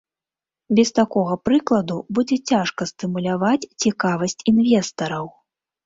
Без такога прыкладу будзе цяжка стымуляваць цікавасць інвестараў.